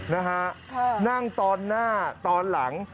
นะฮะนั่งตอนหน้าตอนหลัง